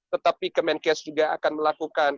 tetapi kemenkes juga akan melakukan